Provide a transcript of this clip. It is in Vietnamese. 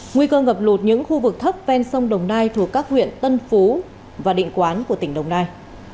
nguy cơ ngập lụt những khu vực thấp ven sông đồng nai thuộc các huyện tân phú và định quán của tỉnh đồng nai